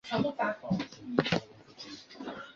汉军人。